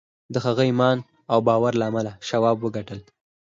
د هغه ایمان او باور له امله شواب وګټل